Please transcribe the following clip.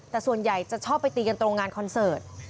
แต่ส่วนใหญ่จะชอบไปตีกันตรงงานคอนเสิร์ต